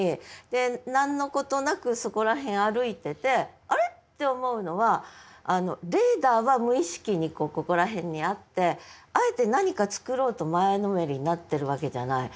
で何のことなくそこら辺歩いてて「あれ？」って思うのはレーダーは無意識にここら辺にあってあえて何か作ろうと前のめりになってるわけじゃない。